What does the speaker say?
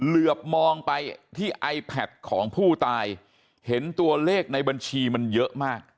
เหลือบมองไปที่ไอแพทของผู้ตายเห็นตัวเลขในบัญชีมันเยอะมาก